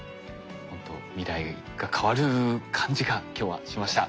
ほんと未来が変わる感じが今日はしました。